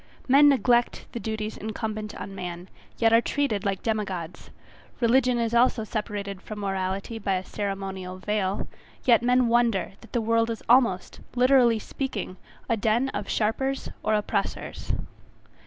Men neglect the duties incumbent on man, yet are treated like demi gods; religion is also separated from morality by a ceremonial veil, yet men wonder that the world is almost, literally speaking, a den of sharpers or oppressors.